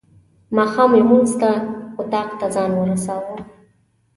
ماښام لمونځ ته اطاق ته ځان ورساوه.